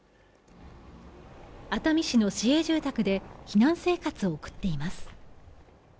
熱海市の市営住宅で避難生活を送っています。